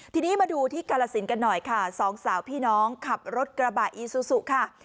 ทีนี้มาดูที่กาลสินกันหน่อยค่ะสองสาวพี่น้องขับรถกระบะอีซูซูค่ะ